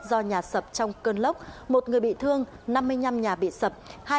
do nhà sập trong cơn lốc một người bị thương năm mươi năm nhà bị sập